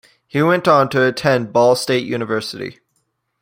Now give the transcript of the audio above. He went on to attend Ball State University.